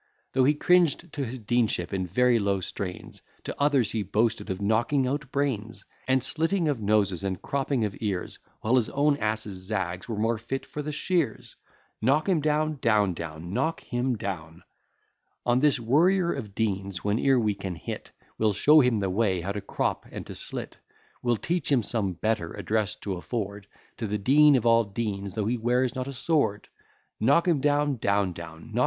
Though he cringed to his deanship in very low strains, To others he boasted of knocking out brains, And slitting of noses, and cropping of ears, While his own ass's zags were more fit for the shears. Knock him down, etc. On this worrier of deans whene'er we can hit, We'll show him the way how to crop and to slit; We'll teach him some better address to afford To the dean of all deans, though he wears not a sword. Knock him down, etc.